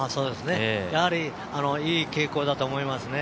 やはりいい傾向だと思いますね。